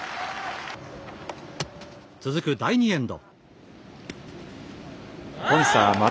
続く第２エンド。